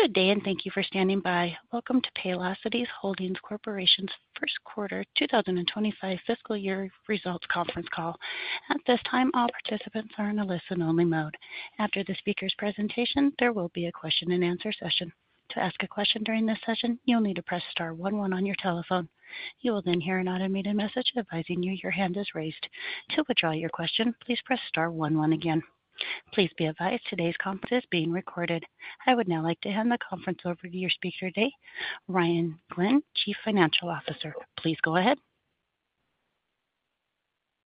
Good day, and thank you for standing by. Welcome to Paylocity Holdings Corporation's first quarter 2025 fiscal year results conference call. At this time, all participants are in a listen-only mode. After the speaker's presentation, there will be a question-and-answer session. To ask a question during this session, you'll need to press star 11 on your telephone. You will then hear an automated message advising you your hand is raised. To withdraw your question, please press star 11 again. Please be advised today's conference is being recorded. I would now like to hand the conference over to your speaker today, Ryan Glenn, Chief Financial Officer. Please go ahead.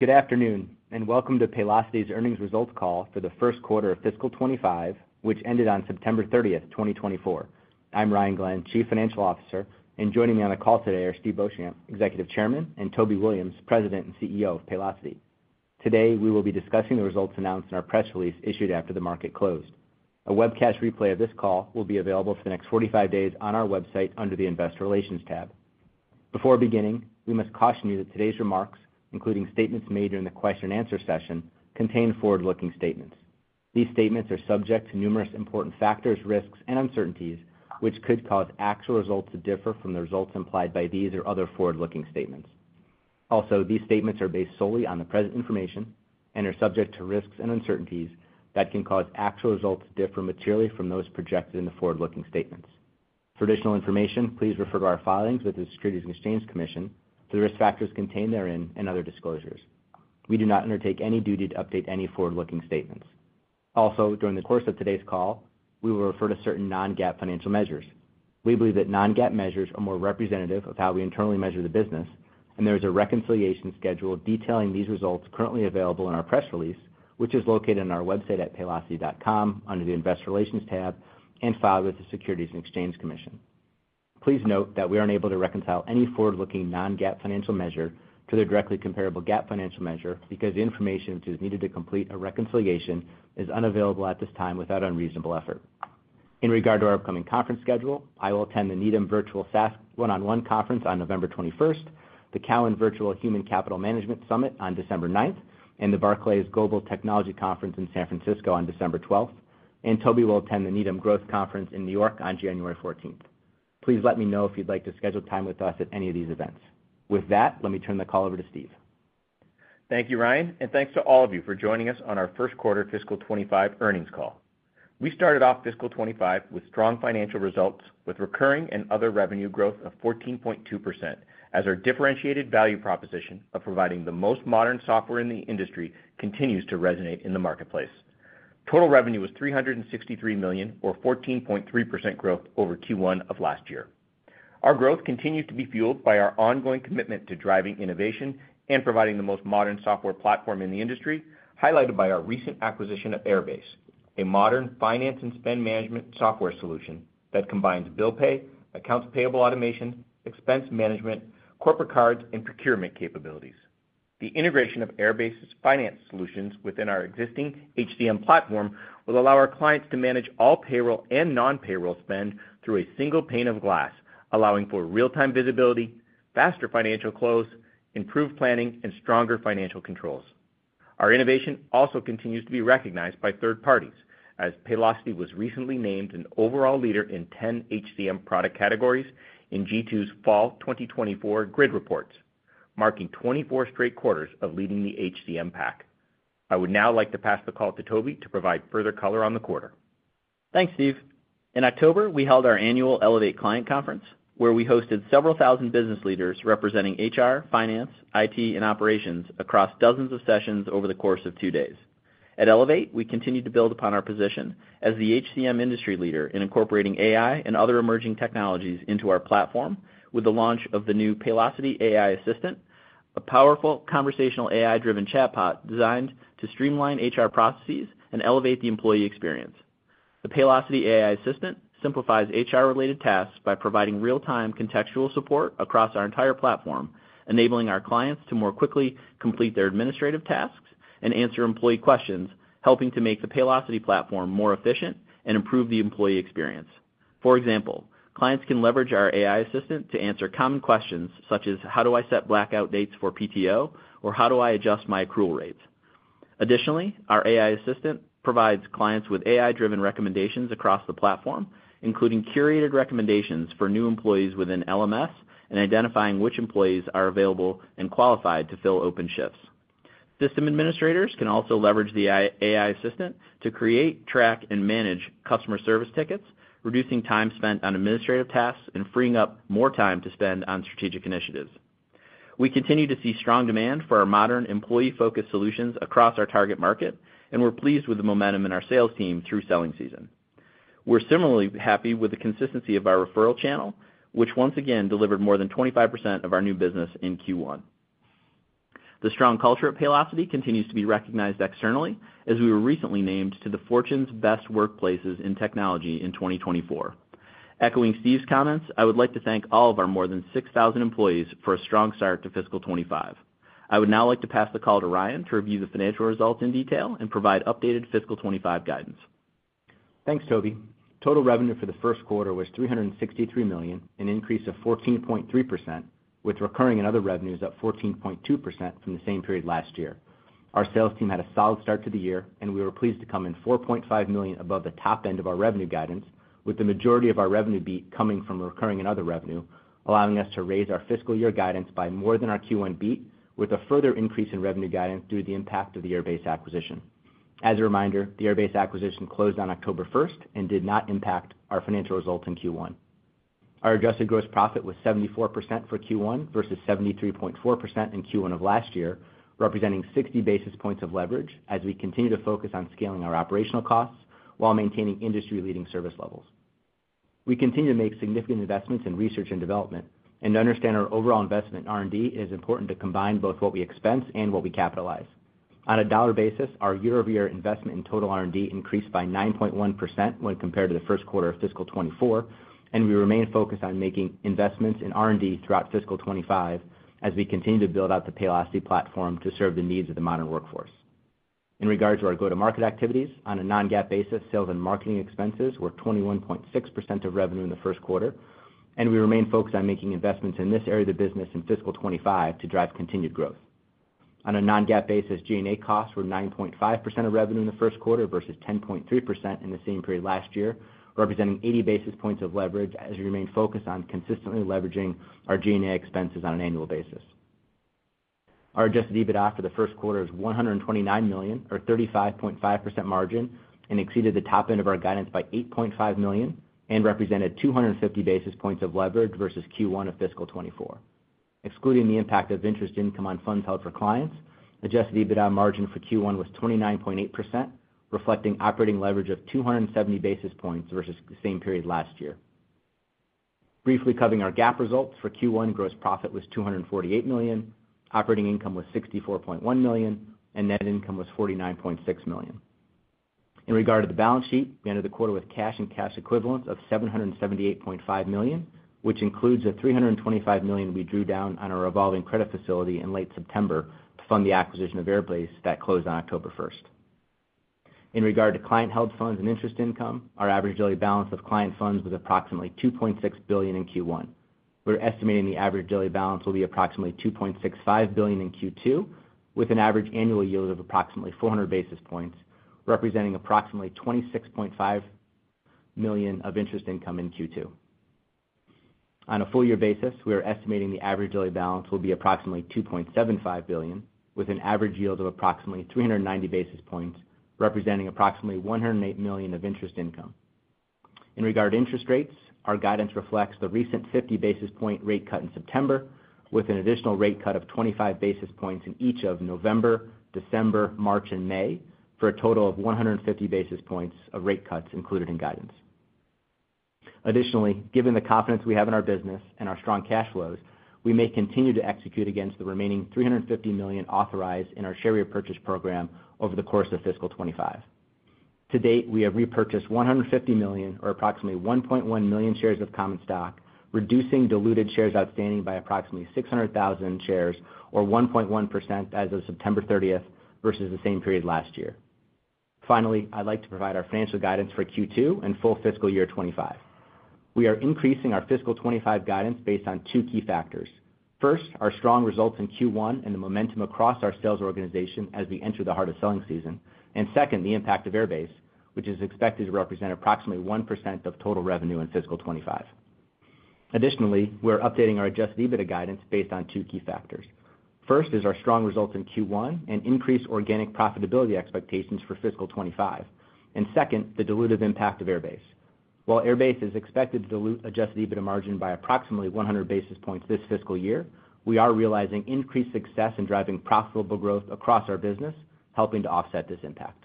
Good afternoon, and welcome to Paylocity's earnings results call for the first quarter of fiscal 25, which ended on September 30th, 2024. I'm Ryan Glenn, Chief Financial Officer, and joining me on the call today are Steve Beauchamp, Executive Chairman, and Toby Williams, President and CEO of Paylocity. Today, we will be discussing the results announced in our press release issued after the market closed. A webcast replay of this call will be available for the next 45 days on our website under the Investor Relations tab. Before beginning, we must caution you that today's remarks, including statements made during the question-and-answer session, contain forward-looking statements. These statements are subject to numerous important factors, risks, and uncertainties, which could cause actual results to differ from the results implied by these or other forward-looking statements. Also, these statements are based solely on the present information and are subject to risks and uncertainties that can cause actual results to differ materially from those projected in the forward-looking statements. For additional information, please refer to our filings with the Securities and Exchange Commission for the risk factors contained therein and other disclosures. We do not undertake any duty to update any forward-looking statements. Also, during the course of today's call, we will refer to certain non-GAAP financial measures. We believe that non-GAAP measures are more representative of how we internally measure the business, and there is a reconciliation schedule detailing these results currently available in our press release, which is located on our website at paylocity.com under the Investor Relations tab and filed with the Securities and Exchange Commission. Please note that we aren't able to reconcile any forward-looking non-GAAP financial measure to the directly comparable GAAP financial measure because the information which is needed to complete a reconciliation is unavailable at this time without unreasonable effort. In regard to our upcoming conference schedule, I will attend the Needham Virtual SaaS One-on-One Conference on November 21st, the TD Cowen Virtual Human Capital Management Summit on December 9th, and the Barclays Global Technology Conference in San Francisco on December 12th, and Toby will attend the Needham Growth Conference in New York on January 14th. Please let me know if you'd like to schedule time with us at any of these events. With that, let me turn the call over to Steve. Thank you, Ryan, and thanks to all of you for joining us on our first quarter fiscal 2025 earnings call. We started off fiscal 2025 with strong financial results with recurring and other revenue growth of 14.2% as our differentiated value proposition of providing the most modern software in the industry continues to resonate in the marketplace. Total revenue was $363 million, or 14.3% growth over Q1 of last year. Our growth continues to be fueled by our ongoing commitment to driving innovation and providing the most modern software platform in the industry, highlighted by our recent acquisition of Airbase, a modern finance and spend management software solution that combines bill pay, accounts payable automation, expense management, corporate cards, and procurement capabilities. The integration of Airbase's finance solutions within our existing HCM platform will allow our clients to manage all payroll and non-payroll spend through a single pane of glass, allowing for real-time visibility, faster financial close, improved planning, and stronger financial controls. Our innovation also continues to be recognized by third parties as Paylocity was recently named an overall leader in 10 HCM product categories in G2's Fall 2024 Grid Reports, marking 24 straight quarters of leading the HCM pack. I would now like to pass the call to Toby to provide further color on the quarter. Thanks, Steve. In October, we held our annual Elevate Client Conference, where we hosted several thousand business leaders representing HR, finance, IT, and operations across dozens of sessions over the course of two days. At Elevate, we continue to build upon our position as the HCM industry leader in incorporating AI and other emerging technologies into our platform with the launch of the new Paylocity AI Assistant, a powerful conversational AI-driven chatbot designed to streamline HR processes and elevate the employee experience. The Paylocity AI Assistant simplifies HR-related tasks by providing real-time contextual support across our entire platform, enabling our clients to more quickly complete their administrative tasks and answer employee questions, helping to make the Paylocity platform more efficient and improve the employee experience. For example, clients can leverage our AI Assistant to answer common questions such as, "How do I set blackout dates for PTO?" or "How do I adjust my accrual rates?" Additionally, our AI Assistant provides clients with AI-driven recommendations across the platform, including curated recommendations for new employees within LMS and identifying which employees are available and qualified to fill open shifts. System administrators can also leverage the AI Assistant to create, track, and manage customer service tickets, reducing time spent on administrative tasks and freeing up more time to spend on strategic initiatives. We continue to see strong demand for our modern employee-focused solutions across our target market, and we're pleased with the momentum in our sales team through selling season. We're similarly happy with the consistency of our referral channel, which once again delivered more than 25% of our new business in Q1. The strong culture at Paylocity continues to be recognized externally as we were recently named to the Fortune Best Workplaces in Technology in 2024. Echoing Steve's comments, I would like to thank all of our more than 6,000 employees for a strong start to fiscal 2025. I would now like to pass the call to Ryan to review the financial results in detail and provide updated fiscal 2025 guidance. Thanks, Toby. Total revenue for the first quarter was $363 million, an increase of 14.3%, with recurring and other revenues at 14.2% from the same period last year. Our sales team had a solid start to the year, and we were pleased to come in $4.5 million above the top end of our revenue guidance, with the majority of our revenue beat coming from recurring and other revenue, allowing us to raise our fiscal year guidance by more than our Q1 beat, with a further increase in revenue guidance due to the impact of the Airbase acquisition. As a reminder, the Airbase acquisition closed on October 1st and did not impact our financial results in Q1. Our adjusted gross profit was 74% for Q1 versus 73.4% in Q1 of last year, representing 60 basis points of leverage as we continue to focus on scaling our operational costs while maintaining industry-leading service levels. We continue to make significant investments in research and development, and to understand our overall investment in R&D, it is important to combine both what we expense and what we capitalize. On a dollar basis, our year-over-year investment in total R&D increased by 9.1% when compared to the first quarter of fiscal 2024, and we remain focused on making investments in R&D throughout fiscal 2025 as we continue to build out the Paylocity platform to serve the needs of the modern workforce. In regard to our go-to-market activities, on a non-GAAP basis, sales and marketing expenses were 21.6% of revenue in the first quarter, and we remain focused on making investments in this area of the business in fiscal 2025 to drive continued growth. On a non-GAAP basis, G&A costs were 9.5% of revenue in the first quarter versus 10.3% in the same period last year, representing 80 basis points of leverage as we remain focused on consistently leveraging our G&A expenses on an annual basis. Our Adjusted EBITDA for the first quarter is $129 million, or 35.5% margin, and exceeded the top end of our guidance by $8.5 million and represented 250 basis points of leverage versus Q1 of fiscal 2024. Excluding the impact of interest income on funds held for clients, Adjusted EBITDA margin for Q1 was 29.8%, reflecting operating leverage of 270 basis points versus the same period last year. Briefly covering our GAAP results for Q1, gross profit was $248 million, operating income was $64.1 million, and net income was $49.6 million. In regard to the balance sheet, we ended the quarter with cash and cash equivalents of $778.5 million, which includes the $325 million we drew down on our revolving credit facility in late September to fund the acquisition of Airbase that closed on October 1st. In regard to client-held funds and interest income, our average daily balance of client funds was approximately $2.6 billion in Q1. We're estimating the average daily balance will be approximately $2.65 billion in Q2, with an average annual yield of approximately 400 basis points, representing approximately $26.5 million of interest income in Q2. On a full-year basis, we are estimating the average daily balance will be approximately $2.75 billion, with an average yield of approximately 390 basis points, representing approximately $108 million of interest income. In regard to interest rates, our guidance reflects the recent 50 basis point rate cut in September, with an additional rate cut of 25 basis points in each of November, December, March, and May, for a total of 150 basis points of rate cuts included in guidance. Additionally, given the confidence we have in our business and our strong cash flows, we may continue to execute against the remaining $350 million authorized in our share repurchase program over the course of fiscal 25. To date, we have repurchased $150 million, or approximately 1.1 million shares of common stock, reducing diluted shares outstanding by approximately 600,000 shares, or 1.1% as of September 30th versus the same period last year. Finally, I'd like to provide our financial guidance for Q2 and full fiscal year 25. We are increasing our fiscal 25 guidance based on two key factors. First, our strong results in Q1 and the momentum across our sales organization as we enter the heart of selling season, and second, the impact of Airbase, which is expected to represent approximately 1% of total revenue in fiscal 25. Additionally, we're updating our adjusted EBITDA guidance based on two key factors. First is our strong results in Q1 and increased organic profitability expectations for fiscal 25, and second, the dilutive impact of Airbase. While Airbase is expected to dilute adjusted EBITDA margin by approximately 100 basis points this fiscal year, we are realizing increased success in driving profitable growth across our business, helping to offset this impact.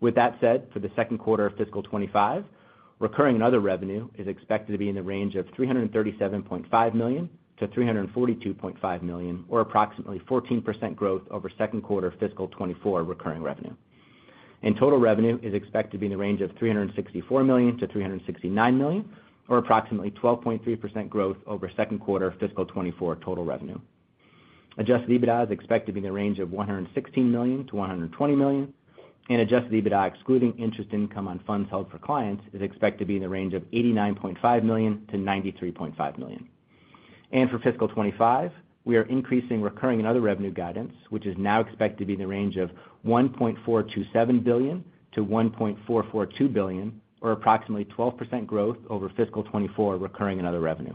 With that said, for the second quarter of fiscal 25, recurring and other revenue is expected to be in the range of $337.5 million-$342.5 million, or approximately 14% growth over second quarter of fiscal 24 recurring revenue, and total revenue is expected to be in the range of $364 million-$369 million, or approximately 12.3% growth over second quarter of fiscal 24 total revenue. Adjusted EBITDA is expected to be in the range of $116 million-$120 million, and adjusted EBITDA excluding interest income on funds held for clients is expected to be in the range of $89.5 million-$93.5 million. For fiscal 25, we are increasing recurring and other revenue guidance, which is now expected to be in the range of $1.427 billion-$1.442 billion, or approximately 12% growth over fiscal 24 recurring and other revenue.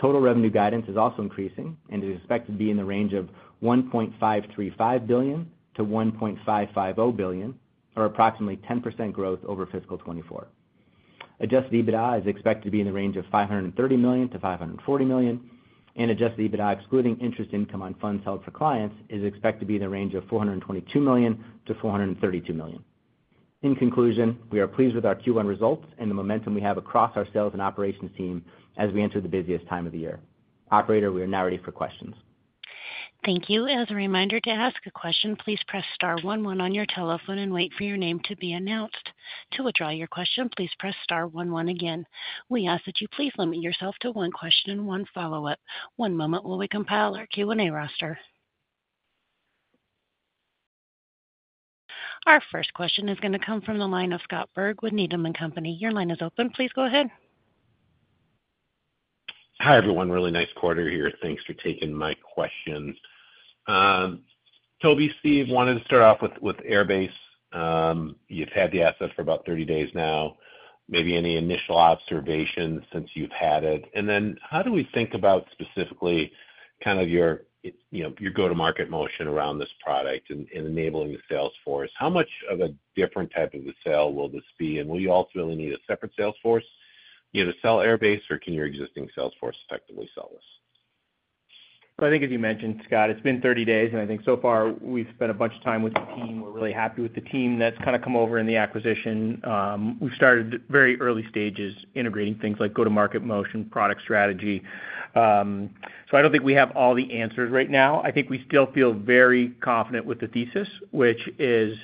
Total revenue guidance is also increasing and is expected to be in the range of $1.535 billion-$1.550 billion, or approximately 10% growth over fiscal 24. Adjusted EBITDA is expected to be in the range of $530 million-$540 million, and adjusted EBITDA excluding interest income on funds held for clients is expected to be in the range of $422 million-$432 million. In conclusion, we are pleased with our Q1 results and the momentum we have across our sales and operations team as we enter the busiest time of the year. Operator, we are now ready for questions. Thank you. As a reminder to ask a question, please press star 11 on your telephone and wait for your name to be announced. To withdraw your question, please press star 11 again. We ask that you please limit yourself to one question and one follow-up. One moment while we compile our Q&A roster. Our first question is going to come from the line of Scott Berg with Needham & Company. Your line is open. Please go ahead. Hi, everyone. Really nice quarter here. Thanks for taking my question. Toby, Steve, wanted to start off with Airbase. You've had the asset for about 30 days now. Maybe any initial observations since you've had it? And then how do we think about specifically kind of your go-to-market motion around this product and enabling the sales force? How much of a different type of a sale will this be? And will you ultimately need a separate sales force to sell Airbase, or can your existing sales force effectively sell this? I think, as you mentioned, Scott, it's been 30 days, and I think so far we've spent a bunch of time with the team. We're really happy with the team that's kind of come over in the acquisition. We've started very early stages integrating things like go-to-market motion, product strategy, so I don't think we have all the answers right now. I think we still feel very confident with the thesis, which is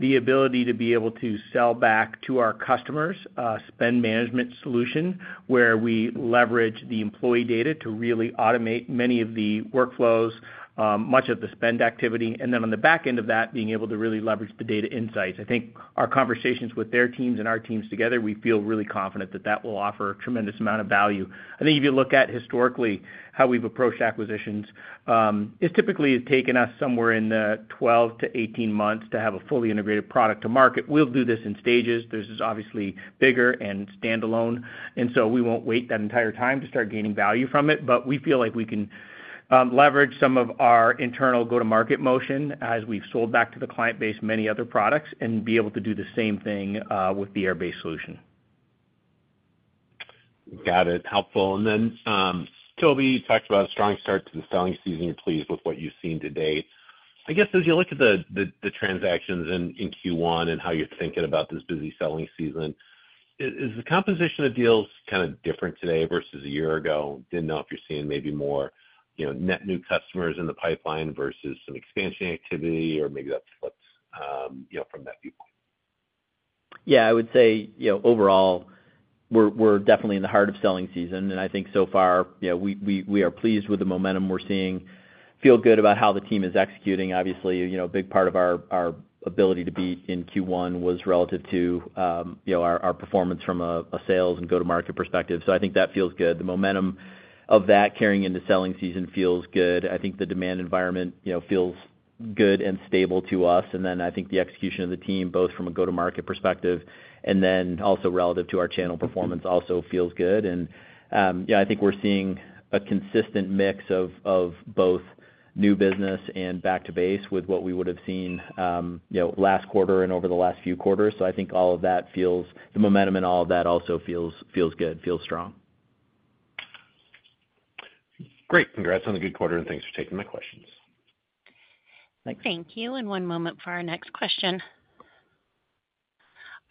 the ability to be able to sell back to our customers a spend management solution where we leverage the employee data to really automate many of the workflows, much of the spend activity, and then on the back end of that, being able to really leverage the data insights. I think our conversations with their teams and our teams together, we feel really confident that that will offer a tremendous amount of value. I think if you look at historically how we've approached acquisitions, it's typically taken us somewhere in the 12-18 months to have a fully integrated product to market. We'll do this in stages. This is obviously bigger and standalone, and so we won't wait that entire time to start gaining value from it, but we feel like we can leverage some of our internal go-to-market motion as we've sold back to the client base many other products and be able to do the same thing with the Airbase solution. Got it. Helpful. And then Toby, you talked about a strong start to the selling season. You're pleased with what you've seen to date. I guess as you look at the transactions in Q1 and how you're thinking about this busy selling season, is the composition of deals kind of different today versus a year ago? Didn't know if you're seeing maybe more net new customers in the pipeline versus some expansion activity, or maybe that's what's from that viewpoint? Yeah, I would say overall, we're definitely in the heart of selling season, and I think so far we are pleased with the momentum we're seeing. Feel good about how the team is executing. Obviously, a big part of our ability to beat in Q1 was relative to our performance from a sales and go-to-market perspective. So I think that feels good. The momentum of that carrying into selling season feels good. I think the demand environment feels good and stable to us. And then I think the execution of the team, both from a go-to-market perspective and then also relative to our channel performance, also feels good. And I think we're seeing a consistent mix of both new business and back to base with what we would have seen last quarter and over the last few quarters. So, I think all of that feels the momentum in all of that also feels good, feels strong. Great. Congrats on a good quarter, and thanks for taking my questions. Thanks. Thank you. And one moment for our next question.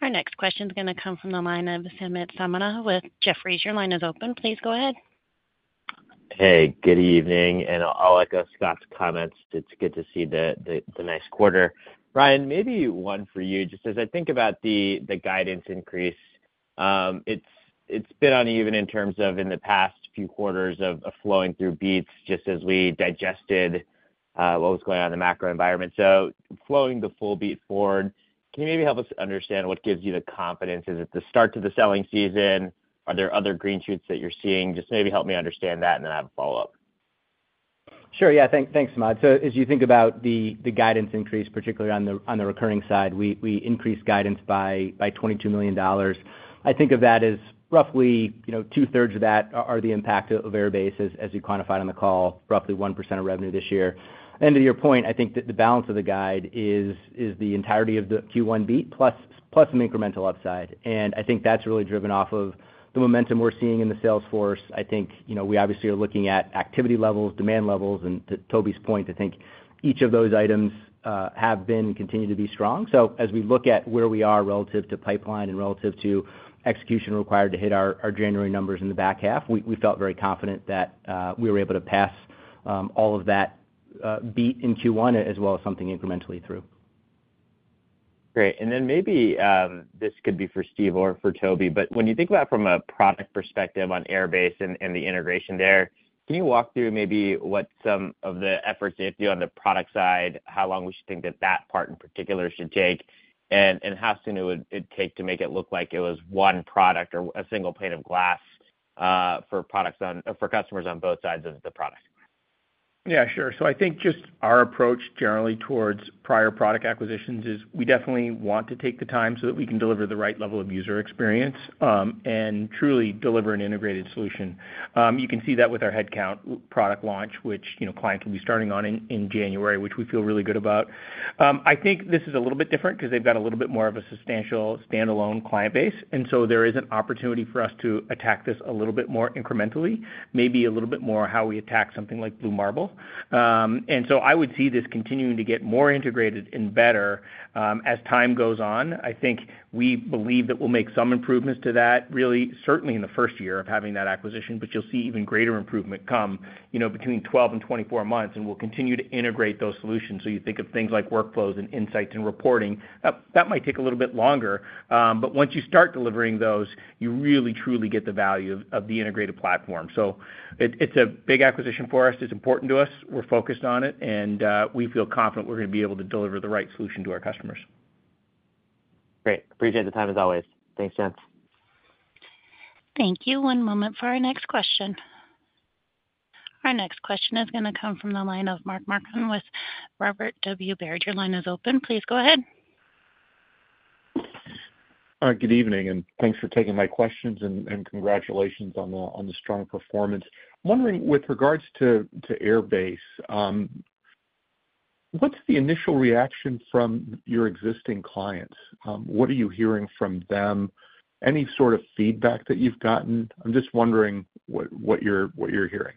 Our next question is going to come from the line of Samad Samana with Jefferies. Your line is open. Please go ahead. Hey, good evening. And I'll echo Scott's comments. It's good to see the nice quarter. Ryan, maybe one for you. Just as I think about the guidance increase, it's been uneven in terms of in the past few quarters of flowing through beats just as we digested what was going on in the macro environment. So flowing the full beat forward, can you maybe help us understand what gives you the confidence? Is it the start to the selling season? Are there other green shoots that you're seeing? Just maybe help me understand that, and then I have a follow-up. Sure. Yeah. Thanks, Samad. So as you think about the guidance increase, particularly on the recurring side, we increased guidance by $22 million. I think of that as roughly two-thirds of that are the impact of Airbase as you quantified on the call, roughly 1% of revenue this year. And to your point, I think that the balance of the guide is the entirety of the Q1 beat plus some incremental upside. And I think that's really driven off of the momentum we're seeing in the sales force. I think we obviously are looking at activity levels, demand levels, and to Toby's point, I think each of those items have been and continue to be strong. So as we look at where we are relative to pipeline and relative to execution required to hit our January numbers in the back half, we felt very confident that we were able to pass all of that beat in Q1 as well as something incrementally through. Great. And then maybe this could be for Steve or for Toby, but when you think about it from a product perspective on Airbase and the integration there, can you walk through maybe what some of the efforts they have to do on the product side, how long we should think that that part in particular should take, and how soon it would take to make it look like it was one product or a single pane of glass for customers on both sides of the product? Yeah, sure. So I think just our approach generally towards prior product acquisitions is we definitely want to take the time so that we can deliver the right level of user experience and truly deliver an integrated solution. You can see that with our Headcount product launch, which clients will be starting on in January, which we feel really good about. I think this is a little bit different because they've got a little bit more of a substantial standalone client base, and so there is an opportunity for us to attack this a little bit more incrementally, maybe a little bit more how we attack something like Blue Marble. And so I would see this continuing to get more integrated and better as time goes on. I think we believe that we'll make some improvements to that, really, certainly in the first year of having that acquisition, but you'll see even greater improvement come between 12 and 24 months, and we'll continue to integrate those solutions. So you think of things like workflows and insights and reporting. That might take a little bit longer, but once you start delivering those, you really truly get the value of the integrated platform. So it's a big acquisition for us. It's important to us. We're focused on it, and we feel confident we're going to be able to deliver the right solution to our customers. Great. Appreciate the time as always. Thanks, James. Thank you. One moment for our next question. Our next question is going to come from the line of Mark Marcon with Robert W. Baird. Your line is open. Please go ahead. All right. Good evening, and thanks for taking my questions, and congratulations on the strong performance. I'm wondering, with regards to Airbase, what's the initial reaction from your existing clients? What are you hearing from them? Any sort of feedback that you've gotten? I'm just wondering what you're hearing.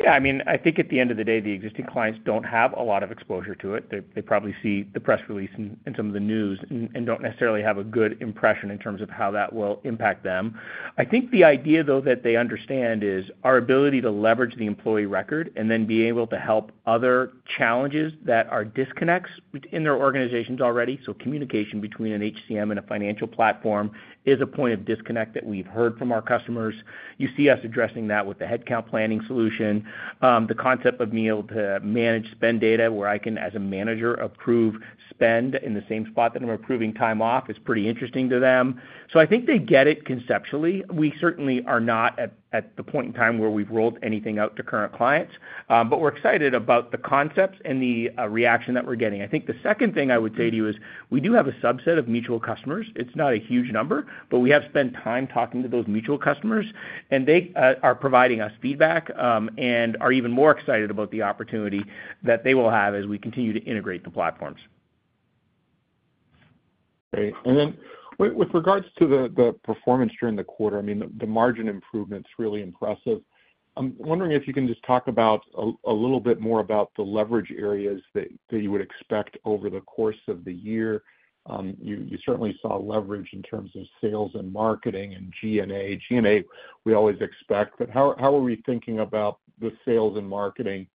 Yeah. I mean, I think at the end of the day, the existing clients don't have a lot of exposure to it. They probably see the press release and some of the news and don't necessarily have a good impression in terms of how that will impact them. I think the idea, though, that they understand is our ability to leverage the employee record and then be able to help other challenges that are disconnects in their organizations already. So communication between an HCM and a financial platform is a point of disconnect that we've heard from our customers. You see us addressing that with the Headcount Planning solution. The concept of being able to manage spend data where I can, as a manager, approve spend in the same spot that I'm approving time off is pretty interesting to them. So I think they get it conceptually. We certainly are not at the point in time where we've rolled anything out to current clients, but we're excited about the concepts and the reaction that we're getting. I think the second thing I would say to you is we do have a subset of mutual customers. It's not a huge number, but we have spent time talking to those mutual customers, and they are providing us feedback and are even more excited about the opportunity that they will have as we continue to integrate the platforms. Great. And then with regards to the performance during the quarter, I mean, the margin improvement's really impressive. I'm wondering if you can just talk about a little bit more about the leverage areas that you would expect over the course of the year. You certainly saw leverage in terms of sales and marketing and G&A. G&A, we always expect, but how are we thinking about the sales and marketing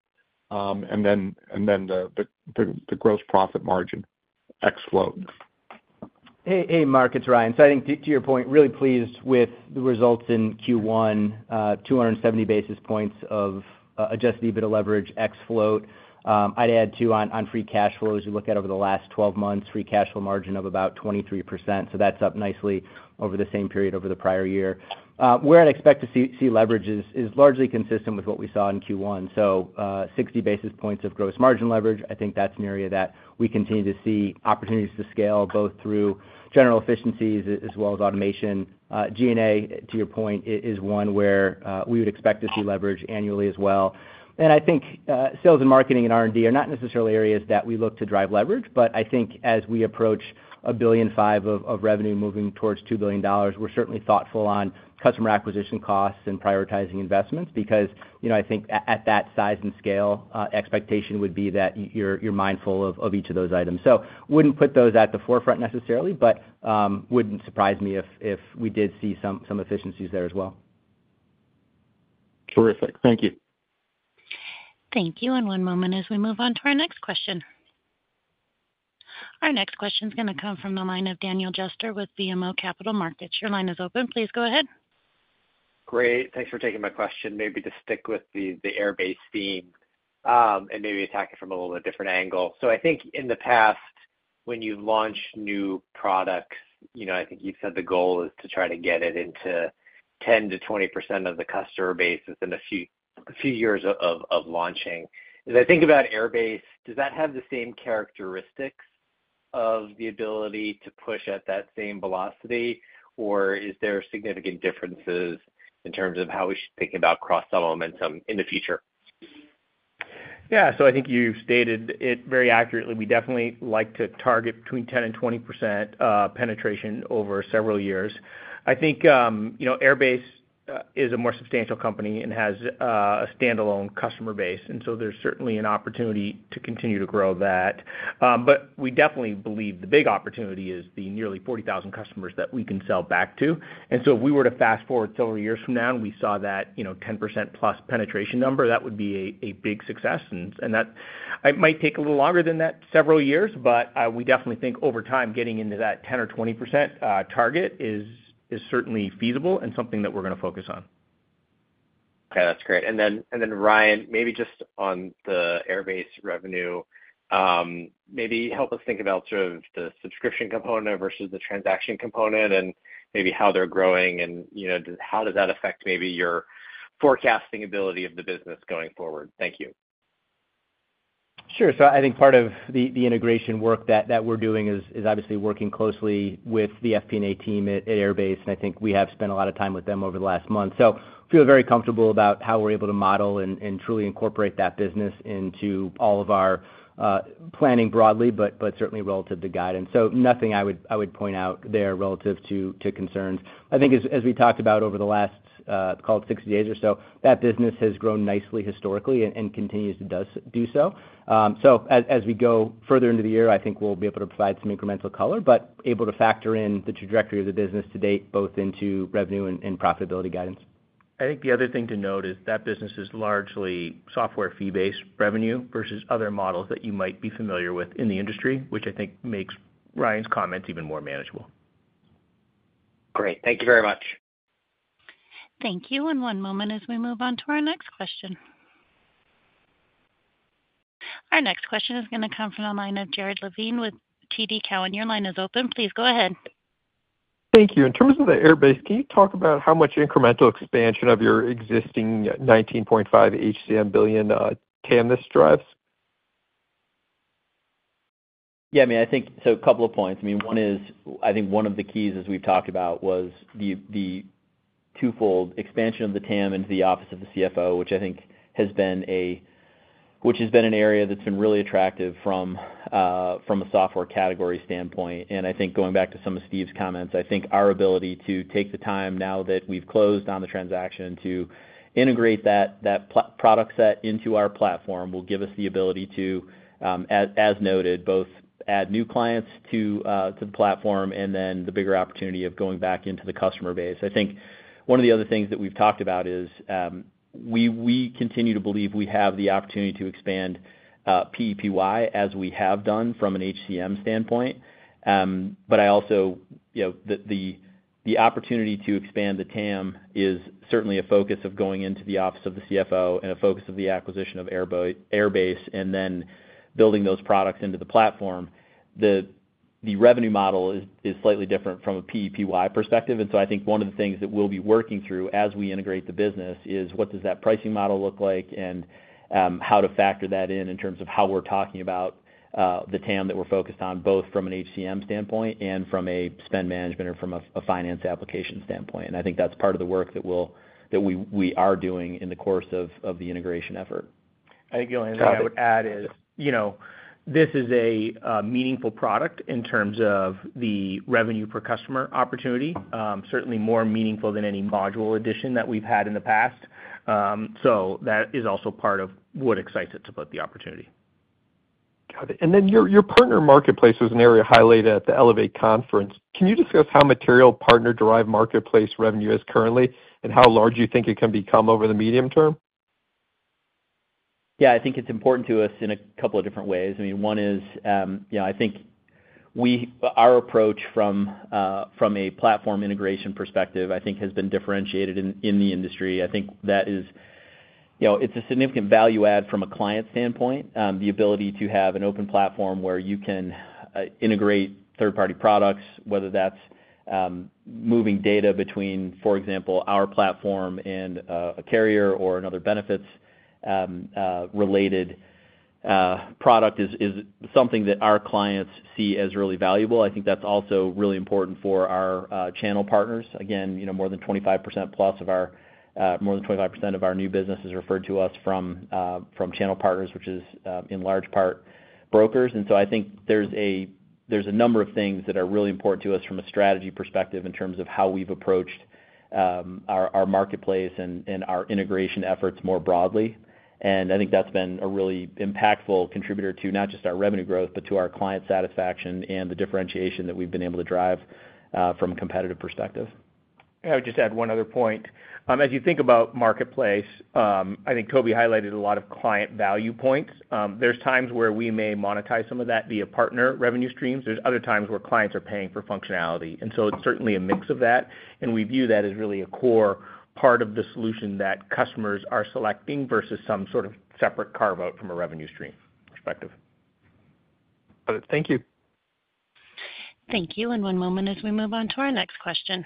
and then the gross profit margin ex float? Hey, Mark, it's Ryan. So I think, to your point, really pleased with the results in Q1, 270 basis points of Adjusted EBITDA leverage ex float. I'd add too on free cash flows. You look at over the last 12 months, free cash flow margin of about 23%. So that's up nicely over the same period over the prior year. Where I'd expect to see leverage is largely consistent with what we saw in Q1. So 60 basis points of gross margin leverage. I think that's an area that we continue to see opportunities to scale both through general efficiencies as well as automation. G&A, to your point, is one where we would expect to see leverage annually as well. I think sales and marketing and R&D are not necessarily areas that we look to drive leverage, but I think as we approach $1.5 billion of revenue moving towards $2 billion, we're certainly thoughtful on customer acquisition costs and prioritizing investments because I think at that size and scale, expectation would be that you're mindful of each of those items. Wouldn't put those at the forefront necessarily, but wouldn't surprise me if we did see some efficiencies there as well. Terrific. Thank you. Thank you, and one moment as we move on to our next question. Our next question is going to come from the line of Daniel Jester with BMO Capital Markets. Your line is open. Please go ahead. Great. Thanks for taking my question. Maybe to stick with the Airbase theme and maybe attack it from a little bit different angle. So I think in the past, when you launch new products, I think you've said the goal is to try to get it into 10%-20% of the customer base within a few years of launching. As I think about Airbase, does that have the same characteristics of the ability to push at that same velocity, or is there significant differences in terms of how we should think about cross-sell momentum in the future? Yeah. So I think you stated it very accurately. We definitely like to target between 10% and 20% penetration over several years. I think Airbase is a more substantial company and has a standalone customer base, and so there's certainly an opportunity to continue to grow that. But we definitely believe the big opportunity is the nearly 40,000 customers that we can sell back to. And so if we were to fast forward several years from now and we saw that 10% plus penetration number, that would be a big success. And it might take a little longer than that, several years, but we definitely think over time getting into that 10% or 20% target is certainly feasible and something that we're going to focus on. Okay. That's great. And then, Ryan, maybe just on the Airbase revenue, maybe help us think about sort of the subscription component versus the transaction component and maybe how they're growing and how does that affect maybe your forecasting ability of the business going forward? Thank you. Sure. So I think part of the integration work that we're doing is obviously working closely with the FP&A team at Airbase, and I think we have spent a lot of time with them over the last month. So I feel very comfortable about how we're able to model and truly incorporate that business into all of our planning broadly, but certainly relative to guidance. So nothing I would point out there relative to concerns. I think as we talked about over the last, call it 60 days or so, that business has grown nicely historically and continues to do so. So as we go further into the year, I think we'll be able to provide some incremental color, but able to factor in the trajectory of the business to date both into revenue and profitability guidance. I think the other thing to note is that business is largely software fee-based revenue versus other models that you might be familiar with in the industry, which I think makes Ryan's comments even more manageable. Great. Thank you very much. Thank you, and one moment as we move on to our next question. Our next question is going to come from the line of Jared Levine TD Cowen. your line is open. Please go ahead. Thank you. In terms of the Airbase, can you talk about how much incremental expansion of your existing $19.5 billion HCM can this drive? Yeah. I mean, I think, so a couple of points. I mean, one is I think one of the keys, as we've talked about, was the twofold expansion of the TAM into the Office of the CFO, which I think has been an area that's been really attractive from a software category standpoint. And I think going back to some of Steve's comments, I think our ability to take the time now that we've closed on the transaction to integrate that product set into our platform will give us the ability to, as noted, both add new clients to the platform and then the bigger opportunity of going back into the customer base. I think one of the other things that we've talked about is we continue to believe we have the opportunity to expand PEPY as we have done from an HCM standpoint. But I also see the opportunity to expand the TAM is certainly a focus of going into the Office of the CFO and a focus of the acquisition of Airbase and then building those products into the platform. The revenue model is slightly different from a PEPY perspective. And so I think one of the things that we'll be working through as we integrate the business is what does that pricing model look like and how to factor that in terms of how we're talking about the TAM that we're focused on both from an HCM standpoint and from a spend management or from a finance application standpoint. And I think that's part of the work that we are doing in the course of the integration effort. I think the only thing I would add is this is a meaningful product in terms of the revenue per customer opportunity, certainly more meaningful than any module addition that we've had in the past. So that is also part of what excites us about the opportunity. Got it, and then your partner marketplace was an area highlighted at the Elevate conference. Can you discuss how material partner-derived marketplace revenue is currently and how large you think it can become over the medium term? Yeah. I think it's important to us in a couple of different ways. I mean, one is I think our approach from a platform integration perspective, I think, has been differentiated in the industry. I think that is it's a significant value add from a client standpoint, the ability to have an open platform where you can integrate third-party products, whether that's moving data between, for example, our platform and a carrier or another benefits-related product is something that our clients see as really valuable. I think that's also really important for our channel partners. Again, more than 25% of our new business is referred to us from channel partners, which is in large part brokers. And so I think there's a number of things that are really important to us from a strategy perspective in terms of how we've approached our marketplace and our integration efforts more broadly. And I think that's been a really impactful contributor to not just our revenue growth, but to our client satisfaction and the differentiation that we've been able to drive from a competitive perspective. I would just add one other point. As you think about marketplace, I think Toby highlighted a lot of client value points. There's times where we may monetize some of that via partner revenue streams. There's other times where clients are paying for functionality. And so it's certainly a mix of that. And we view that as really a core part of the solution that customers are selecting versus some sort of separate carve-out from a revenue stream perspective. Got it. Thank you. Thank you. And one moment as we move on to our next question.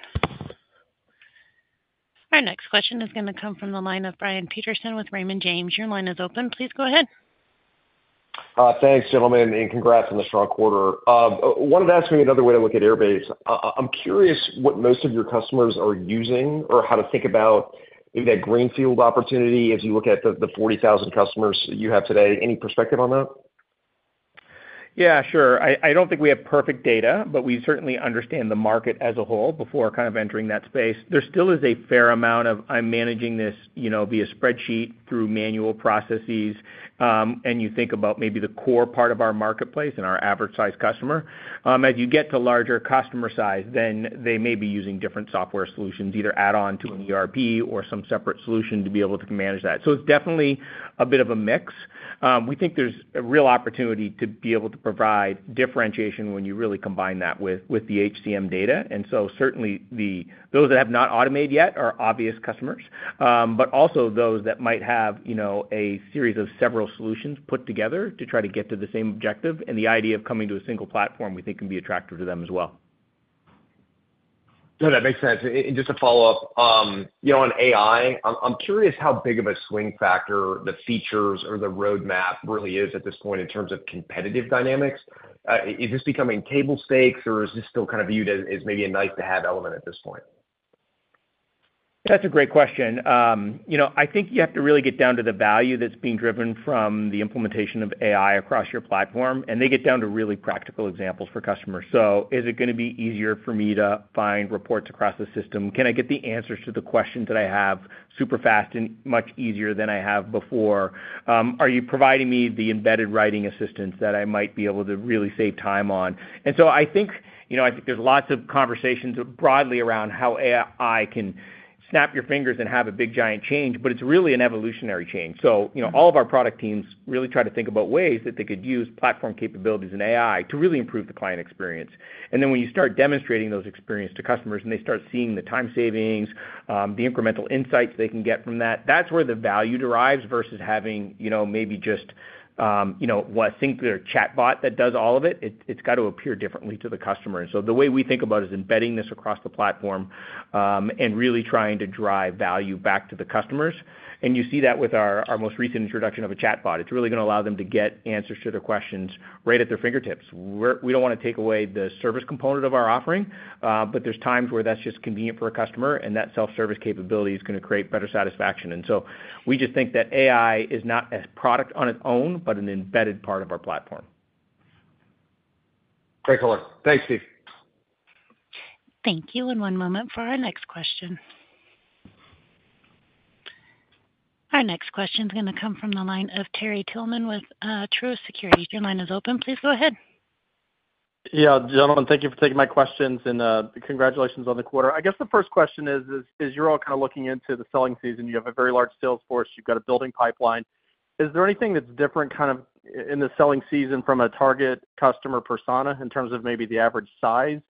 Our next question is going to come from the line of Brian Peterson with Raymond James. Your line is open. Please go ahead. Thanks, gentlemen, and congrats on the strong quarter. I wanted to ask you another way to look at Airbase. I'm curious what most of your customers are using or how to think about maybe that greenfield opportunity as you look at the 40,000 customers you have today. Any perspective on that? Yeah, sure. I don't think we have perfect data, but we certainly understand the market as a whole before kind of entering that space. There still is a fair amount of, "I'm managing this via spreadsheet through manual processes," and you think about maybe the core part of our marketplace and our average-sized customer. As you get to larger customer size, then they may be using different software solutions, either add-on to an ERP or some separate solution to be able to manage that. So it's definitely a bit of a mix. We think there's a real opportunity to be able to provide differentiation when you really combine that with the HCM data. And so certainly, those that have not automated yet are obvious customers, but also those that might have a series of several solutions put together to try to get to the same objective. The idea of coming to a single platform we think can be attractive to them as well. No, that makes sense. And just to follow up on AI, I'm curious how big of a swing factor the features or the roadmap really is at this point in terms of competitive dynamics. Is this becoming table stakes, or is this still kind of viewed as maybe a nice-to-have element at this point? That's a great question. I think you have to really get down to the value that's being driven from the implementation of AI across your platform, and they get down to really practical examples for customers. So is it going to be easier for me to find reports across the system? Can I get the answers to the questions that I have super fast and much easier than I have before? Are you providing me the embedded writing assistance that I might be able to really save time on? And so I think there's lots of conversations broadly around how AI can snap your fingers and have a big giant change, but it's really an evolutionary change. So all of our product teams really try to think about ways that they could use platform capabilities and AI to really improve the client experience. And then when you start demonstrating those experiences to customers and they start seeing the time savings, the incremental insights they can get from that, that's where the value derives versus having maybe just a singular chatbot that does all of it. It's got to appear differently to the customer. And so the way we think about it is embedding this across the platform and really trying to drive value back to the customers. And you see that with our most recent introduction of a chatbot. It's really going to allow them to get answers to their questions right at their fingertips. We don't want to take away the service component of our offering, but there's times where that's just convenient for a customer, and that self-service capability is going to create better satisfaction. And so we just think that AI is not a product on its own, but an embedded part of our platform. Great color. Thanks, Steve. Thank you. And one moment for our next question. Our next question is going to come from the line of Terry Tillman with Truist Securities. Your line is open. Please go ahead. Yeah. Gentlemen, thank you for taking my questions, and congratulations on the quarter. I guess the first question is, as you're all kind of looking into the selling season, you have a very large sales force. You've got a building pipeline. Is there anything that's different kind of in the selling season from a target customer persona in terms of maybe the average size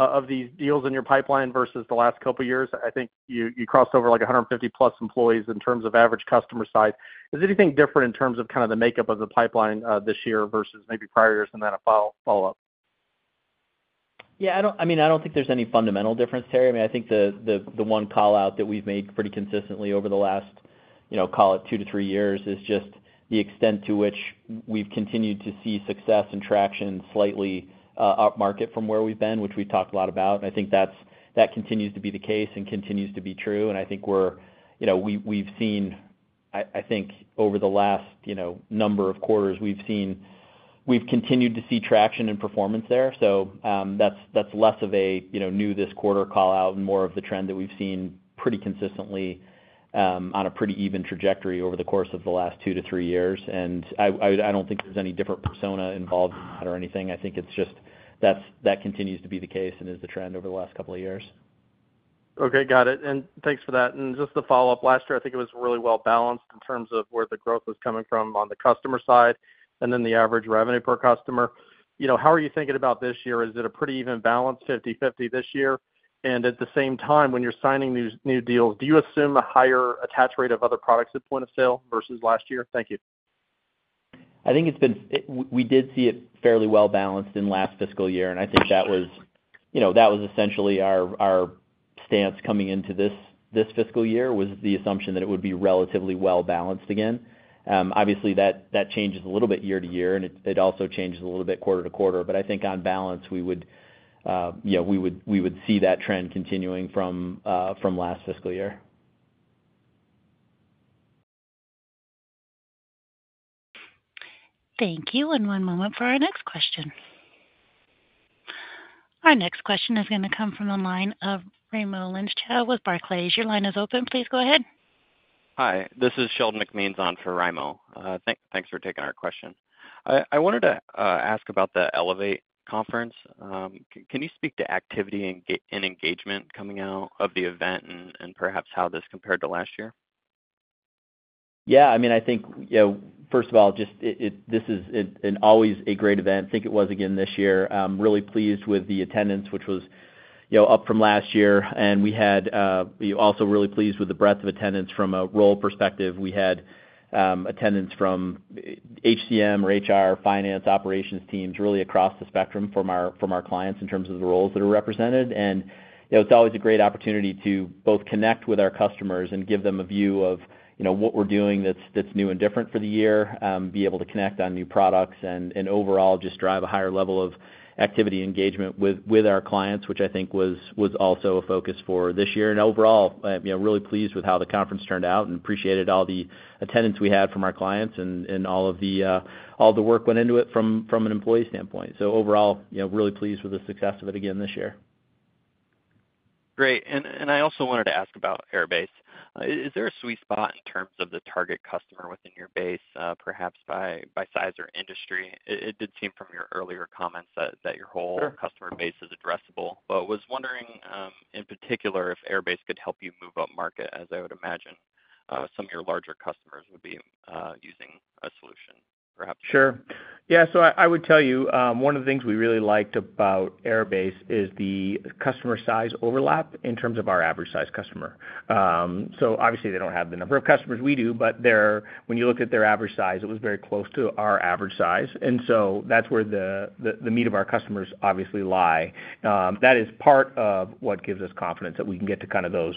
of these deals in your pipeline versus the last couple of years? I think you crossed over like 150-plus employees in terms of average customer size. Is anything different in terms of kind of the makeup of the pipeline this year versus maybe prior years? And then a follow-up. Yeah. I mean, I don't think there's any fundamental difference, Terry. I mean, I think the one call-out that we've made pretty consistently over the last, call it, two to three years is just the extent to which we've continued to see success and traction slightly upmarket from where we've been, which we've talked a lot about. And I think that continues to be the case and continues to be true. And I think we've seen, I think, over the last number of quarters, we've continued to see traction and performance there. So that's less of a new this quarter call-out and more of the trend that we've seen pretty consistently on a pretty even trajectory over the course of the last two to three years. And I don't think there's any different persona involved in that or anything. I think it's just that continues to be the case and is the trend over the last couple of years. Okay. Got it. And thanks for that. And just to follow up, last year, I think it was really well balanced in terms of where the growth was coming from on the customer side and then the average revenue per customer. How are you thinking about this year? Is it a pretty even balance, 50/50 this year? And at the same time, when you're signing new deals, do you assume a higher attach rate of other products at point of sale versus last year? Thank you. I think it's been. We did see it fairly well balanced in last fiscal year. And I think that was essentially our stance coming into this fiscal year was the assumption that it would be relatively well balanced again. Obviously, that changes a little bit year to year, and it also changes a little bit quarter to quarter. But I think on balance, we would see that trend continuing from last fiscal year. Thank you. And one moment for our next question. Our next question is going to come from the line of Raimo Lenschow with Barclays. Your line is open. Please go ahead. Hi. This is Sheldon McMeans on for Raimo. Thanks for taking our question. I wanted to ask about the Elevate conference. Can you speak to activity and engagement coming out of the event and perhaps how this compared to last year? Yeah. I mean, I think, first of all, just this is always a great event. I think it was again this year. I'm really pleased with the attendance, which was up from last year. And we were also really pleased with the breadth of attendance from a role perspective. We had attendance from HCM or HR, finance, operations teams really across the spectrum from our clients in terms of the roles that are represented. And it's always a great opportunity to both connect with our customers and give them a view of what we're doing that's new and different for the year, be able to connect on new products, and overall just drive a higher level of activity engagement with our clients, which I think was also a focus for this year. Overall, really pleased with how the conference turned out and appreciated all the attendance we had from our clients and all of the work went into it from an employee standpoint. Overall, really pleased with the success of it again this year. Great. And I also wanted to ask about Airbase. Is there a sweet spot in terms of the target customer within your base, perhaps by size or industry? It did seem from your earlier comments that your whole customer base is addressable. But I was wondering in particular if Airbase could help you move upmarket, as I would imagine some of your larger customers would be using a solution perhaps. Sure. Yeah, so I would tell you one of the things we really liked about Airbase is the customer size overlap in terms of our average-sized customer. So obviously, they don't have the number of customers we do, but when you looked at their average size, it was very close to our average size. And so that's where the meat of our customers obviously lie. That is part of what gives us confidence that we can get to kind of those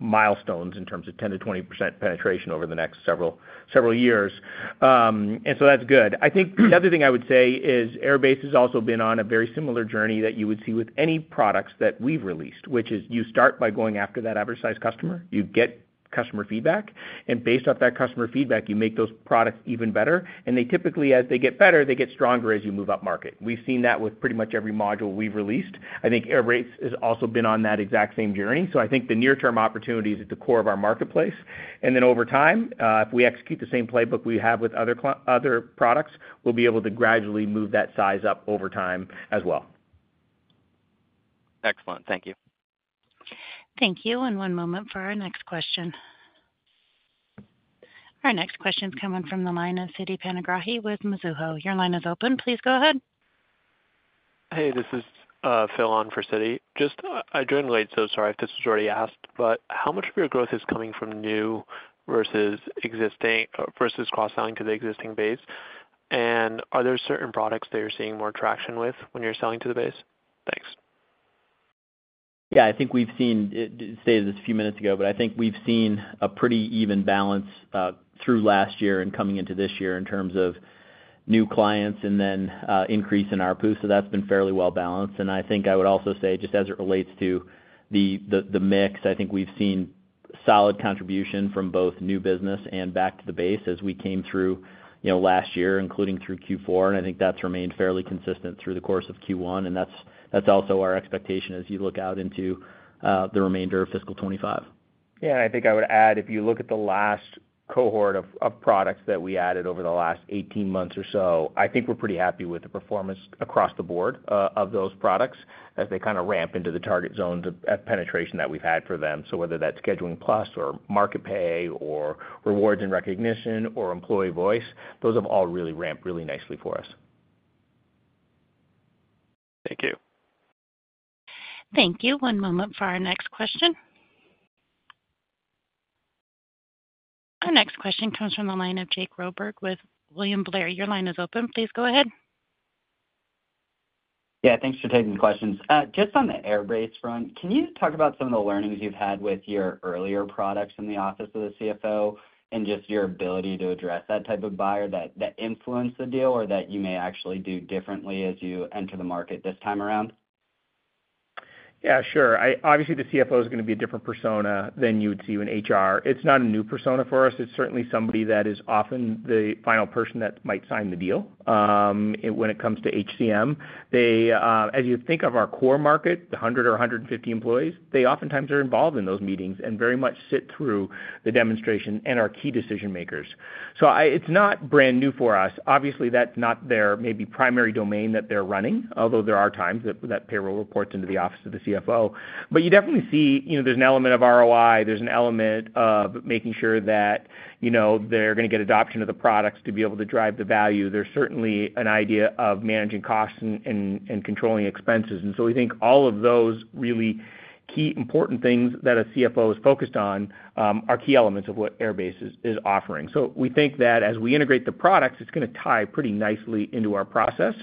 milestones in terms of 10%-20% penetration over the next several years. And so that's good. I think the other thing I would say is Airbase has also been on a very similar journey that you would see with any products that we've released, which is you start by going after that average-sized customer. You get customer feedback. And based off that customer feedback, you make those products even better. And typically, as they get better, they get stronger as you move upmarket. We've seen that with pretty much every module we've released. I think Airbase has also been on that exact same journey. So I think the near-term opportunity is at the core of our marketplace. And then over time, if we execute the same playbook we have with other products, we'll be able to gradually move that size up over time as well. Excellent. Thank you. Thank you. And one moment for our next question. Our next question is coming from the line of Siti Panigrahi with Mizuho. Your line is open. Please go ahead. Hey, this is Phil on for Siti. Just, I joined late, so sorry if this was already asked, but how much of your growth is coming from new versus cross-selling to the existing base? And are there certain products that you're seeing more traction with when you're selling to the base? Thanks. Yeah. I think we've seen, say this a few minutes ago, but I think we've seen a pretty even balance through last year and coming into this year in terms of new clients and then increase in our boost. So that's been fairly well balanced. And I think I would also say just as it relates to the mix, I think we've seen solid contribution from both new business and back to the base as we came through last year, including through Q4. And I think that's remained fairly consistent through the course of Q1. And that's also our expectation as you look out into the remainder of fiscal 2025. Yeah. And I think I would add, if you look at the last cohort of products that we added over the last 18 months or so, I think we're pretty happy with the performance across the board of those products as they kind of ramp into the target zones of penetration that we've had for them. So whether that's Scheduling Plus or MarketPay or Rewards and Recognition or Employee Voice, those have all really ramped really nicely for us. Thank you. Thank you. One moment for our next question. Our next question comes from the line of Jake Roberge with William Blair. Your line is open. Please go ahead. Yeah. Thanks for taking the questions. Just on the Airbase front, can you talk about some of the learnings you've had with your earlier products in the Office of the CFO and just your ability to address that type of buyer that influenced the deal or that you may actually do differently as you enter the market this time around? Yeah, sure. Obviously, the CFO is going to be a different persona than you would see in HR. It's not a new persona for us. It's certainly somebody that is often the final person that might sign the deal when it comes to HCM. As you think of our core market, the 100 or 150 employees, they oftentimes are involved in those meetings and very much sit through the demonstration and are key decision-makers. So it's not brand new for us. Obviously, that's not their maybe primary domain that they're running, although there are times that payroll reports into the Office of the CFO. But you definitely see there's an element of ROI. There's an element of making sure that they're going to get adoption of the products to be able to drive the value. There's certainly an idea of managing costs and controlling expenses. And so we think all of those really key important things that a CFO is focused on are key elements of what Airbase is offering. So we think that as we integrate the products, it's going to tie pretty nicely into our process.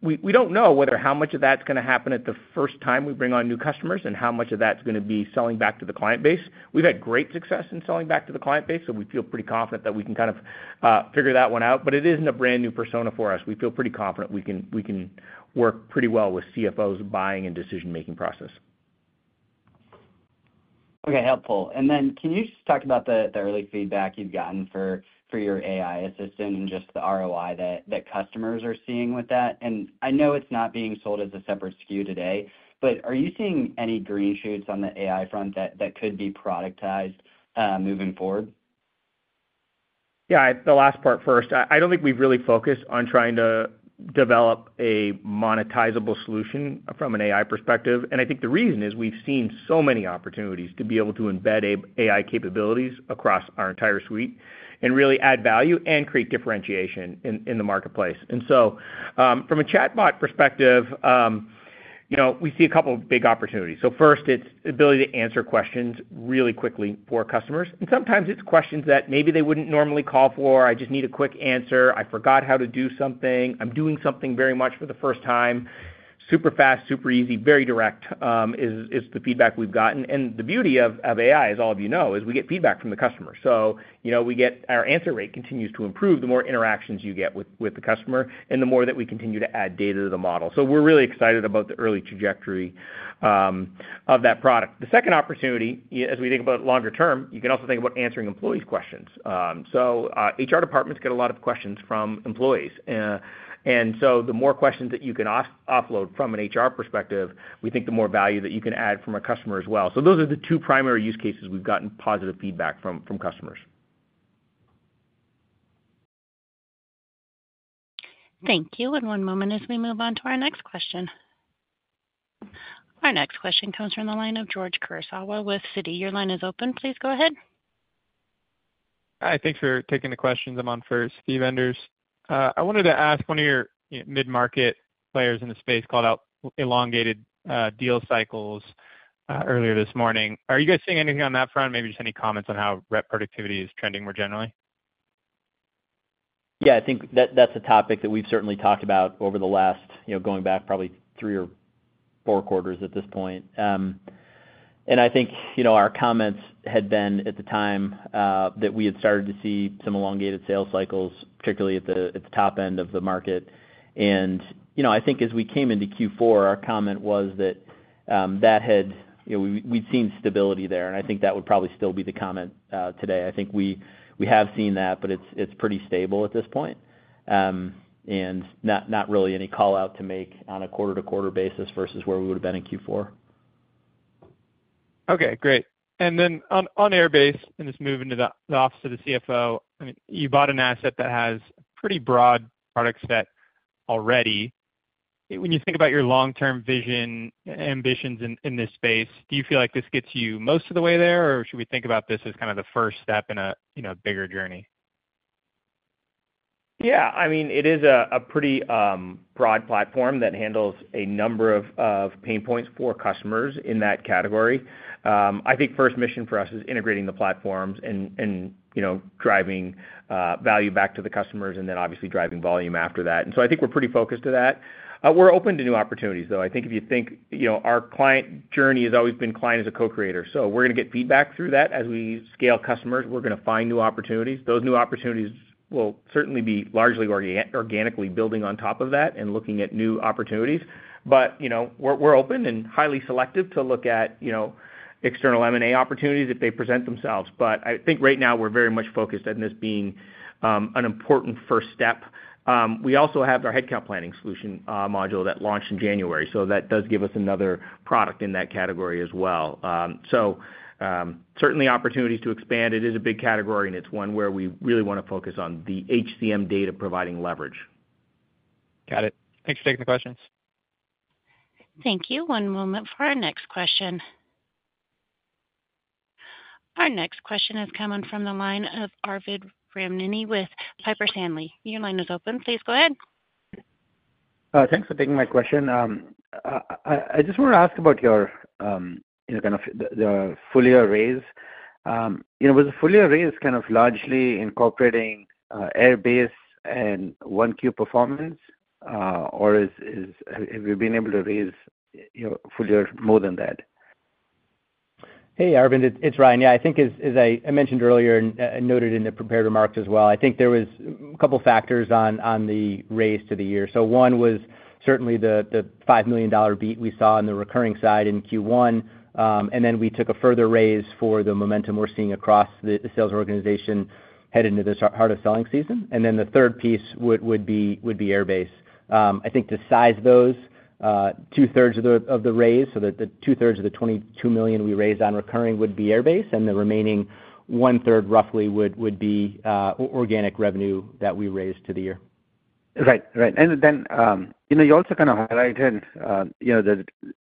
We don't know whether how much of that's going to happen at the first time we bring on new customers and how much of that's going to be selling back to the client base. We've had great success in selling back to the client base, so we feel pretty confident that we can kind of figure that one out. But it isn't a brand new persona for us. We feel pretty confident we can work pretty well with CFOs' buying and decision-making process. Okay. Helpful. And then can you just talk about the early feedback you've gotten for your AI assistant and just the ROI that customers are seeing with that? And I know it's not being sold as a separate SKU today, but are you seeing any green shoots on the AI front that could be productized moving forward? Yeah. The last part first. I don't think we've really focused on trying to develop a monetizable solution from an AI perspective. And I think the reason is we've seen so many opportunities to be able to embed AI capabilities across our entire suite and really add value and create differentiation in the marketplace. And so from a chatbot perspective, we see a couple of big opportunities. So first, it's the ability to answer questions really quickly for customers. And sometimes it's questions that maybe they wouldn't normally call for. I just need a quick answer. I forgot how to do something. I'm doing something very much for the first time. Super fast, super easy, very direct is the feedback we've gotten. And the beauty of AI, as all of you know, is we get feedback from the customer. So our answer rate continues to improve the more interactions you get with the customer and the more that we continue to add data to the model. So we're really excited about the early trajectory of that product. The second opportunity, as we think about it longer term, you can also think about answering employees' questions. So HR departments get a lot of questions from employees. And so the more questions that you can offload from an HR perspective, we think the more value that you can add from a customer as well. So those are the two primary use cases we've gotten positive feedback from customers. Thank you. And one moment as we move on to our next question. Our next question comes from the line of George Kurosawa with Citi. Your line is open. Please go ahead. Hi. Thanks for taking the questions. I'm on for Steve Enders. I wanted to ask one of your mid-market players in the space called out elongated deal cycles earlier this morning. Are you guys seeing anything on that front? Maybe just any comments on how rep productivity is trending more generally? Yeah. I think that's a topic that we've certainly talked about over the last going back probably three or four quarters at this point, and I think our comments had been at the time that we had started to see some elongated sales cycles, particularly at the top end of the market. And I think as we came into Q4, our comment was that we'd seen stability there, and I think that would probably still be the comment today. I think we have seen that, but it's pretty stable at this point and not really any call-out to make on a quarter-to-quarter basis versus where we would have been in Q4. Okay. Great. And then on Airbase and just moving to the Office of the CFO, I mean, you bought an asset that has a pretty broad product set already. When you think about your long-term vision and ambitions in this space, do you feel like this gets you most of the way there, or should we think about this as kind of the first step in a bigger journey? Yeah. I mean, it is a pretty broad platform that handles a number of pain points for customers in that category. I think first mission for us is integrating the platforms and driving value back to the customers and then obviously driving volume after that. And so I think we're pretty focused to that. We're open to new opportunities, though. I think if you think our client journey has always been client as a co-creator. So we're going to get feedback through that as we scale customers. We're going to find new opportunities. Those new opportunities will certainly be largely organically building on top of that and looking at new opportunities. But we're open and highly selective to look at external M&A opportunities if they present themselves. But I think right now we're very much focused on this being an important first step. We also have our Headcount Planning solution module that launched in January. So that does give us another product in that category as well. So certainly opportunities to expand. It is a big category, and it's one where we really want to focus on the HCM data providing leverage. Got it. Thanks for taking the questions. Thank you. One moment for our next question. Our next question is coming from the line of Arvind Ramnani with Piper Sandler. Your line is open. Please go ahead. Thanks for taking my question. I just want to ask about your kind of the full-year raise. Was full-year raise kind of largely incorporating Airbase and Q1 performance, or have you been able to raise fully more than that? Hey, Arvind. It's Ryan. Yeah. I think, as I mentioned earlier and noted in the prepared remarks as well, I think there were a couple of factors on the raise to the year. One was certainly the $5 million beat we saw on the recurring side in Q1. We took a further raise for the momentum we're seeing across the sales organization heading into this harder selling season. The third piece would be Airbase. I think to size those two-thirds of the raise. The two-thirds of the $22 million we raised on recurring would be Airbase, and the remaining one-third roughly would be organic revenue that we raised to the year. Right. Right. And then you also kind of highlighted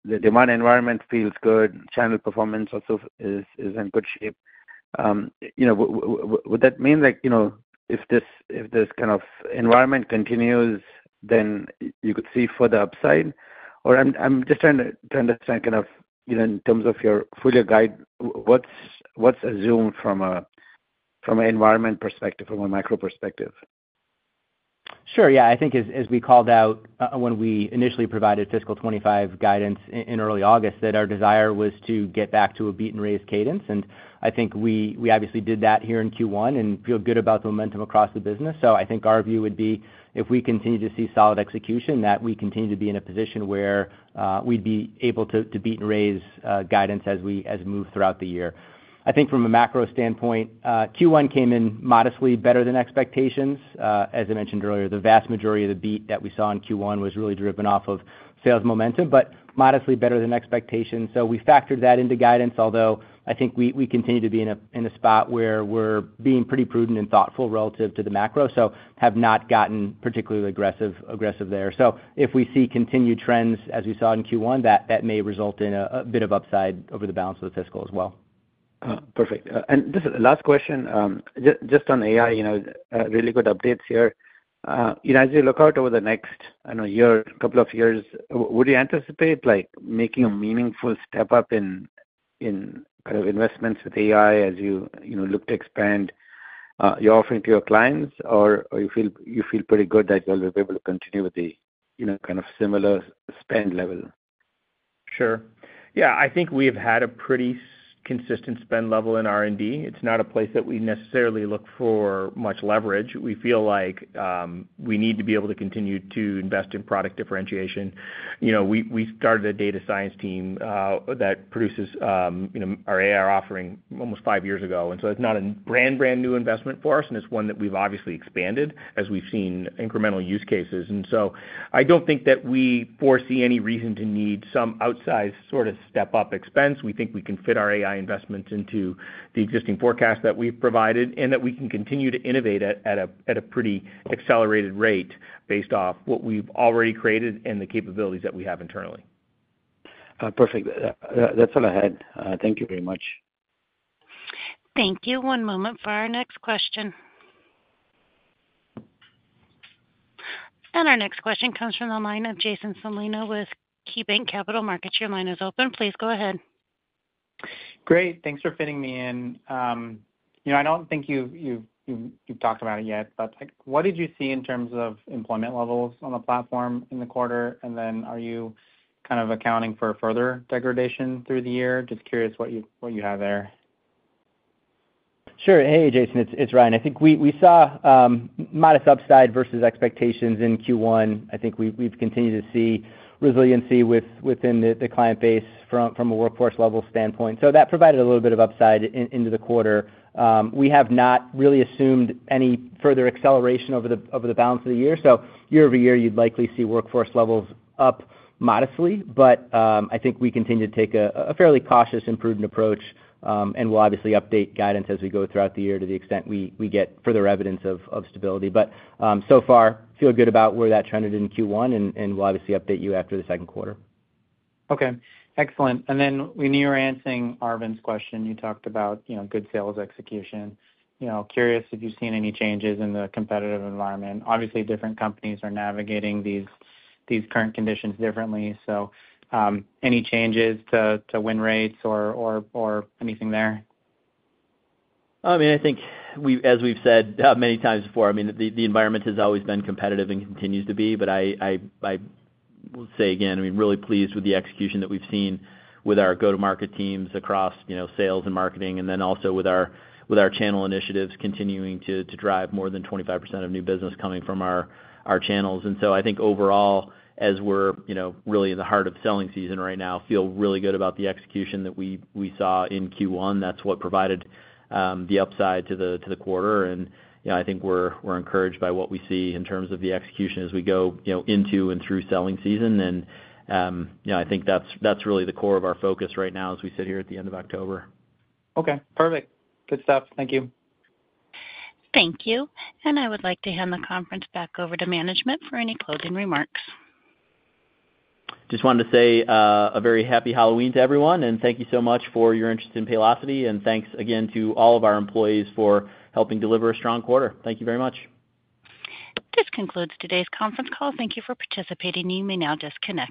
the demand environment feels good. Channel performance also is in good shape. Would that mean that if this kind of environment continues, then you could see further upside? Or I'm just trying to understand kind of in terms of your full-year guide, what's assumed from an environment perspective, from a micro perspective? Sure. Yeah. I think as we called out when we initially provided fiscal 2025 guidance in early August, that our desire was to get back to a beat-and-raise cadence. And I think we obviously did that here in Q1 and feel good about the momentum across the business. So I think our view would be if we continue to see solid execution, that we continue to be in a position where we'd be able to beat-and-raise guidance as we move throughout the year. I think from a macro standpoint, Q1 came in modestly better than expectations. As I mentioned earlier, the vast majority of the beat that we saw in Q1 was really driven off of sales momentum, but modestly better than expectations. So we factored that into guidance, although I think we continue to be in a spot where we're being pretty prudent and thoughtful relative to the macro, so have not gotten particularly aggressive there. So if we see continued trends as we saw in Q1, that may result in a bit of upside over the balance of the fiscal as well. Perfect. And just the last question, just on AI, really good updates here. As you look out over the next, I don't know, year, a couple of years, would you anticipate making a meaningful step up in kind of investments with AI as you look to expand your offering to your clients, or you feel pretty good that you'll be able to continue with the kind of similar spend level? Sure. Yeah. I think we have had a pretty consistent spend level in R&D. It's not a place that we necessarily look for much leverage. We feel like we need to be able to continue to invest in product differentiation. We started a data science team that produces our AI offering almost five years ago. And so it's not a brand new investment for us, and it's one that we've obviously expanded as we've seen incremental use cases. And so I don't think that we foresee any reason to need some outsized sort of step-up expense. We think we can fit our AI investments into the existing forecast that we've provided and that we can continue to innovate at a pretty accelerated rate based off what we've already created and the capabilities that we have internally. Perfect. That's all I had. Thank you very much. Thank you. One moment for our next question. And our next question comes from the line of Jason Celino with KeyBanc Capital Markets. Your line is open. Please go ahead. Great. Thanks for fitting me in. I don't think you've talked about it yet, but what did you see in terms of employment levels on the platform in the quarter? And then are you kind of accounting for further degradation through the year? Just curious what you have there. Sure. Hey, Jason. It's Ryan. I think we saw modest upside versus expectations in Q1. I think we've continued to see resiliency within the client base from a workforce level standpoint. So that provided a little bit of upside into the quarter. We have not really assumed any further acceleration over the balance of the year. So year over year, you'd likely see workforce levels up modestly, but I think we continue to take a fairly cautious and prudent approach and will obviously update guidance as we go throughout the year to the extent we get further evidence of stability. But so far, feel good about where that trended in Q1, and we'll obviously update you after the second quarter. Okay. Excellent. And then when you were answering Arvind's question, you talked about good sales execution. Curious if you've seen any changes in the competitive environment. Obviously, different companies are navigating these current conditions differently. So any changes to win rates or anything there? I mean, I think, as we've said many times before, I mean, the environment has always been competitive and continues to be, but I will say again, I mean, really pleased with the execution that we've seen with our go-to-market teams across sales and marketing and then also with our channel initiatives continuing to drive more than 25% of new business coming from our channels. And so I think overall, as we're really in the heart of selling season right now, feel really good about the execution that we saw in Q1. That's what provided the upside to the quarter. And I think we're encouraged by what we see in terms of the execution as we go into and through selling season. And I think that's really the core of our focus right now as we sit here at the end of October. Okay. Perfect. Good stuff. Thank you. Thank you. I would like to hand the conference back over to management for any closing remarks. Just wanted to say a very happy Halloween to everyone, and thank you so much for your interest in Paylocity, and thanks again to all of our employees for helping deliver a strong quarter. Thank you very much. This concludes today's conference call. Thank you for participating. You may now disconnect.